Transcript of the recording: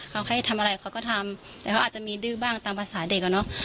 เขาให้ทำอะไรเขาก็ทำแต่เขาอาจจะมีดื้อบ้างตามภาษาเด็กอะเนาะ